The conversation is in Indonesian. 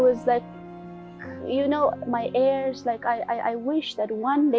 anda tahu saya berharap suatu hari akan ada